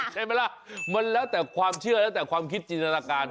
ใช่ไหมล่ะมันแล้วแต่ความเชื่อแล้วแต่ความคิดจินตนาการ